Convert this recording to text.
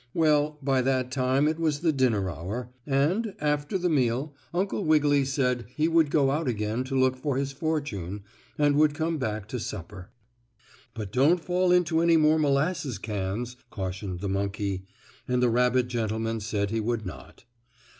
Well, by that time it was the dinner hour, and, after the meal, Uncle Wiggily said he would go out again to look for his fortune, and would come back to supper. "But don't fall into any more molasses cans," cautioned the monkey, and the rabbit gentleman said he would not.